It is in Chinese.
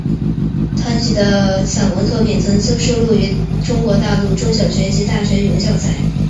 唐弢的散文作品曾收录于中国大陆中小学及大学语文教材。